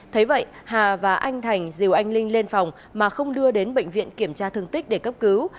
thấy vậy hà và anh thành diều anh linh lên phòng mà không đưa đến bệnh viện kiểm tra thương tích để cấp cứu